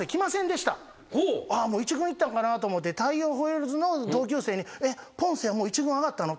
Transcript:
１軍行ったのかなと思って大洋ホエールズの同級生にポンセはもう１軍上がったの？